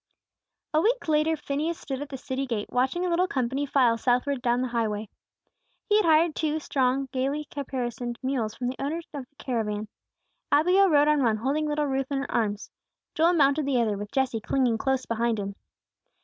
A week later, Phineas stood at the city gate, watching a little company file southward down the highway. He had hired two strong, gayly caparisoned mules from the owner of the caravan. Abigail rode on one, holding little Ruth in her arms; Joel mounted the other, with Jesse clinging close behind him.